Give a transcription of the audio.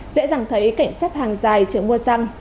dễ dàng thấy cảnh xếp hàng dài chờ mua xăng